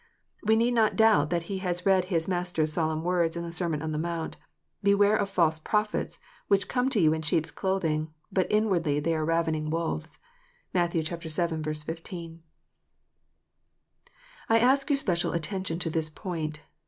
We need not doubt that he had read his Master s solemn words in the Sermon on the Mount :" Beware of false prophets, which come to you in sheep s clothing, but inwardly they are ravening wolves." (Matt. vii. 15.) I ask your special attention to this point.